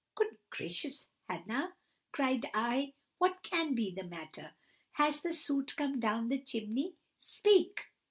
"'Good gracious, Hannah,' cried I, 'what can be the matter? Has the soot come down the chimney? Speak!